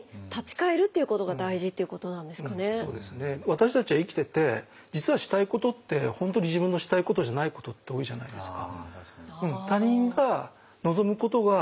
私たちは生きてて実はしたいことって本当に自分のしたいことじゃないことって多いじゃないですか。